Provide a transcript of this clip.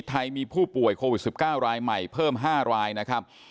ไทยมีผู้ป่วยโควิดสิบเก้ารายใหม่เพิ่มห้ารายนะครับ